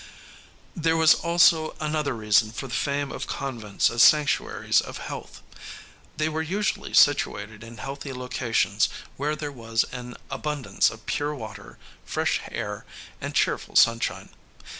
There was also another reason for the fame of convents as sanctuaries of health. They were usually situated in healthy locations where there was an abundance of pure water, fresh air and cheerful sunshine.